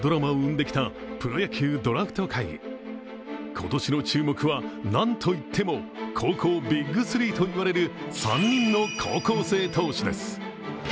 今年の注目は何といっても高校ＢＩＧ３と言われる３人の高校生投手です。